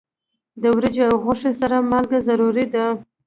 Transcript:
د وریجو او غوښې سره مالګه ضروری ده.